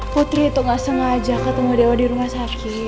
putri itu gak sengaja ketemu dewa di rumah sakit